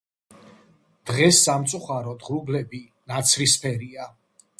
დღეს სამწუხაროდ ღრუბლები ნაცრისფერია.